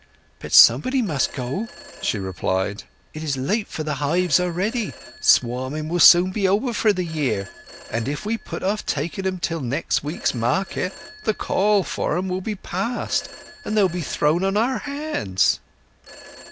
"But somebody must go," she replied. "It is late for the hives already. Swarming will soon be over for the year; and it we put off taking 'em till next week's market the call for 'em will be past, and they'll be thrown on our hands."